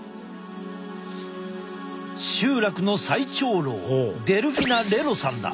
集落の最長老デルフィナ・レロさんだ。